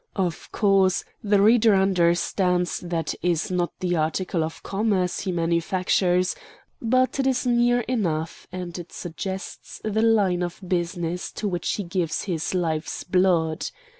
Of course, the reader understands that is not the article of commerce he manufactures; but it is near enough, and it suggests the line of business to which he gives his life's blood.